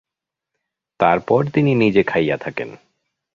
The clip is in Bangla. তারপর তিনি নিজে খাইয়া থাকেন।